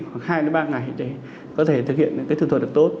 khoảng hai ba ngày để có thể thực hiện thử thuật